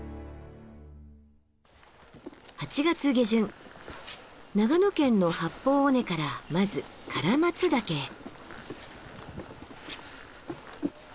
８月下旬長野県の八方尾根からまず唐松岳へ。